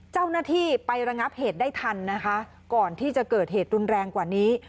เจ้าหน้าที่ไประงับเหตุได้ทันนะคะก่อนที่จะเกิดเหตุรุนแรงกว่านี้